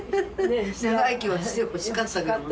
長生きはしてほしかったけども。